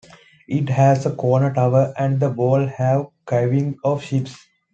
It has a corner tower and the walls have carvings of ships.